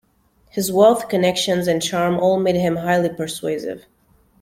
His wealth, connections, and charm all made him highly persuasive.